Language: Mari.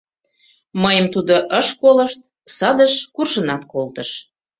Мыйым тудо ыш колышт, садыш куржынат колтыш.